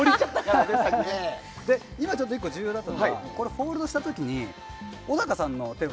今、重要だったのがフォールドした時に小高さんの手札